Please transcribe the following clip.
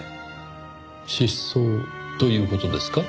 失踪という事ですか？